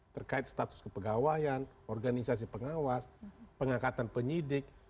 terkait status kepegawaian organisasi pengawas pengangkatan penyidik